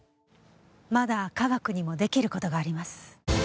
まだ科学にもできることがあります。